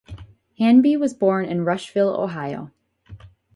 Hanby was born in Rushville, Ohio.